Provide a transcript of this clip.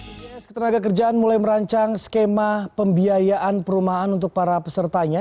bns ketenaga kerjaan mulai merancang skema pembiayaan perumahan untuk para pesertanya